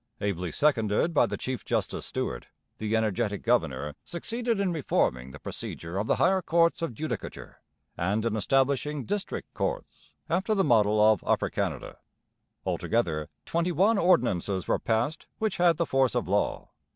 Ably seconded by the chief justice Stuart, the energetic governor succeeded in reforming the procedure of the higher courts of judicature and in establishing district courts after the model of Upper Canada. Altogether, twenty one ordinances were passed which had the force of law.